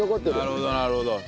なるほどなるほど。